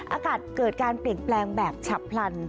อากาศเกิดการเปลี่ยนแปลงแบบฉับพลัน